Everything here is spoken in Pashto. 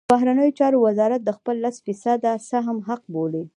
د بهرنیو چارو وزارت د خپل لس فیصدۍ سهم حق بولي.